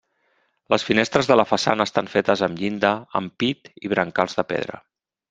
Les finestres de la façana estan fetes amb llinda, ampit i brancals de pedra.